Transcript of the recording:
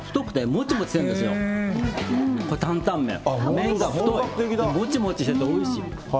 もちもちしてておいしい。